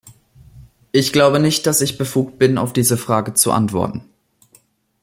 Ich glaube nicht, dass ich befugt bin, auf diese Frage zu antworten.